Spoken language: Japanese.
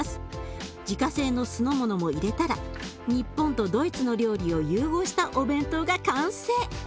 自家製の酢の物も入れたら日本とドイツの料理を融合したお弁当が完成！